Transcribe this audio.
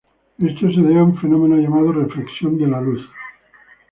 Esto se debe a un fenómeno llamado reflexión de la luz.